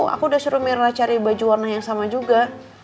aku udah suruh mirna cari baju warna yang sama juga